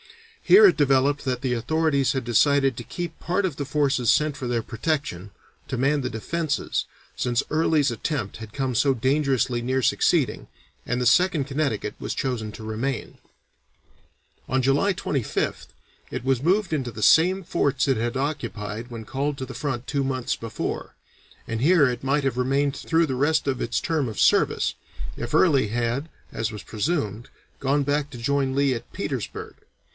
Here it developed that the authorities had decided to keep part of the forces sent for their protection, to man the defences, since Early's attempt had come so dangerously near succeeding, and the Second Connecticut was chosen to remain. On July 25th it was moved into the same forts it had occupied when called to the front two months before, and here it might have remained through the rest of its term of service, if Early had, as was presumed, gone back to join Lee at Petersburg.